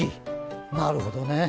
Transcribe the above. なるほどね。